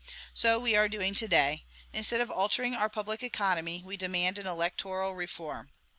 So we are doing to day; instead of altering our public economy, we demand an electoral reform.